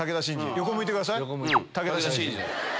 逆向いてください。